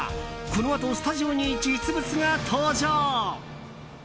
このあとスタジオに実物が登場！